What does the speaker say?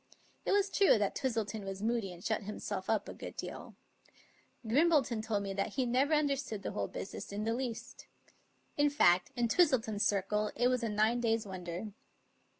It was true that Twistleton was moody and shut himself up a good deal. Grimbleton told me that he never understood the whole business in the least. In fact, in Twistleton's circle it was a nine days' wonder.